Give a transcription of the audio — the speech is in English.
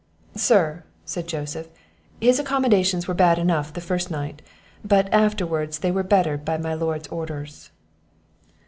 "Sir," said Joseph, "his accommodations were bad enough the first night; but, afterwards, they were bettered by my lord's orders."